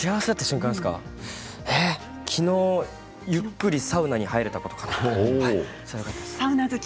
きのうゆっくりサウナに入れたことかな。